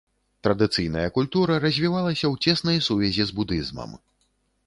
Традыцыйная культура развівалася ў цеснай сувязі з будызмам.